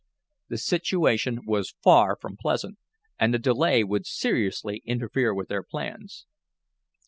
The situation was far from pleasant, and the delay would seriously interfere with their plans.